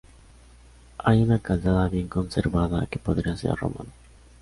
Hay una calzada bien conservada que podría ser romana.